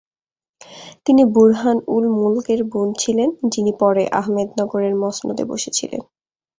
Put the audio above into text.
তিনি বুরহান-উল-মুলকের বোন ছিলেন, যিনি পরে আহমেদনগরের মসনদে বসেছিলেন।